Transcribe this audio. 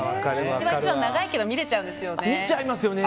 長いけど見れちゃうんですよね。